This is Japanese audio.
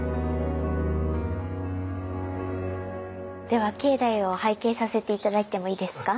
では境内を拝見させて頂いてもいいですか？